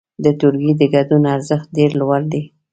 د ټولګي د ګډون ارزښت ډېر لوړ دی.